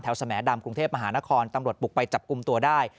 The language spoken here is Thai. สแหมดำกรุงเทพมหานครตำรวจบุกไปจับกลุ่มตัวได้